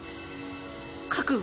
覚悟。